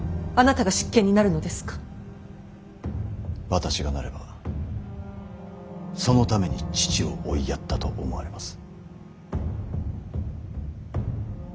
私がなればそのために父を追いやったと思われます。